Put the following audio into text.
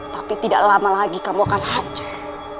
tapi tidak lama lagi kamu akan hancur